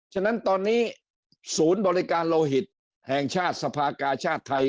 ฉะนั้นตอนนี้ศูนย์บริการโลหิตแห่งชาติสภากาชาติไทย